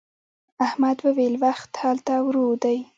احمد وويل: وخت هلته ورو دی.